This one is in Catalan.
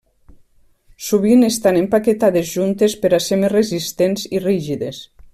Sovint estan empaquetades juntes per a ser més resistents i rígides.